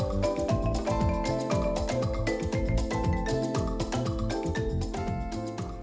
masukkan adonan tepung